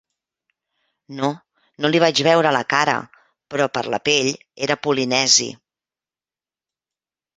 No, no li vaig veure la cara, però per la pell era polinesi.